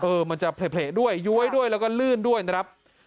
มันจะเผลอด้วยย้วยด้วยแล้วก็ลื่นด้วยนะครับ